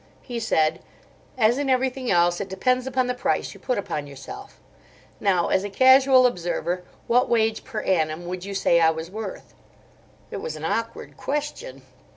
He said: "As in everything else, it depends upon the price you put upon yourself. Now, as a casual observer, what wage per annum would you say I was worth?" It was an awkward question.